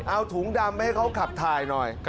เอาถุงดำไปให้เขาขับถ่ายหน่อย